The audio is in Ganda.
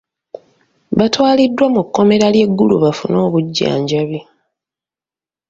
Batwaliddwa mu kkomera ly'e Gulu bafune obujjanjabi.